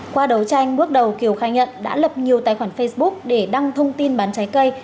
qua đấu tranh bước đầu kiều khai nhận đã lập nhiều tài khoản facebook để đăng thông tin bán trái cây